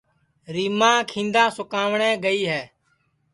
ریماں کیندا سُکاوٹؔے گئے ہے